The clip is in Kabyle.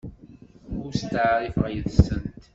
Ur steɛṛifeɣ yes-sent.